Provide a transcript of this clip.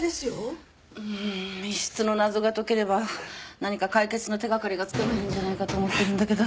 うん密室の謎が解ければ何か解決の手掛かりがつかめるんじゃないかと思ってるんだけど。